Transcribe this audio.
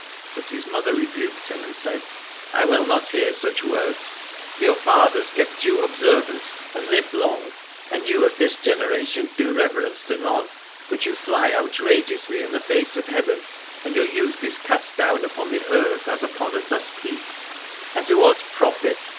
But his mother rebuked him and said : I will not hear such words ; for your fathers kept due observance and lived long, and you of this generation do reverence to none, but you fly outrageously in the face of heaven, and your youth is cast down upon the earth as upon a dust heap. And to what profit